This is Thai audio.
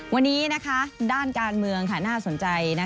วันนี้ด้านการเมืองน่าสนใจ